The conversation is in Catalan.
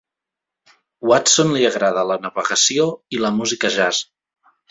Watson li agrada la navegació i la música jazz.